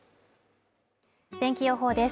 天気予報です